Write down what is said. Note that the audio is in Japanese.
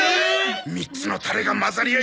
３つのタレが混ざり合い